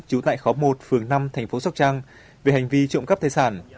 trú tại khóa một phường năm thành phố sóc trăng về hành vi trộm cắp thầy sản